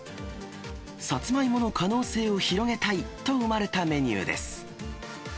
サツマイモの可能性を広げたいと生まれたメニューです。